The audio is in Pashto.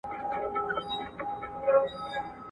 ځي تر اباسینه د کونړ د یکه زار څپې